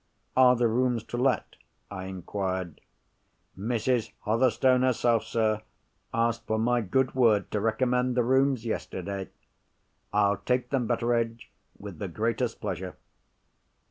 "Are the rooms to let?" I inquired. "Mrs. Hotherstone herself, sir, asked for my good word to recommend the rooms, yesterday." "I'll take them, Betteredge, with the greatest pleasure."